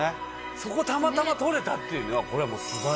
そこをたまたま撮れたっていうこれは。